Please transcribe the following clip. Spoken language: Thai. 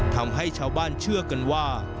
ทำให้ชาวบ้านเชื่อกันว่า